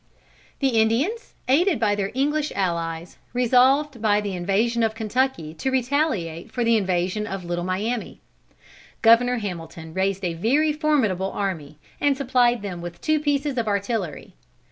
The Indians, aided by their English allies, resolved by the invasion of Kentucky to retaliate for the invasion of the Little Miami. Governor Hamilton raised a very formidable army, and supplied them with two pieces of artillery.